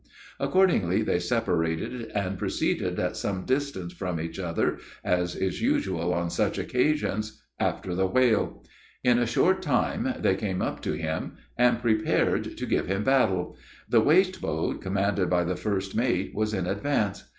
Accordingly they separated, and proceeded at some distance from each other, as is usual on such occasions, after the whale. In a short time, they came up to him, and prepared to give him battle. The waste boat, commanded by the first mate, was in advance.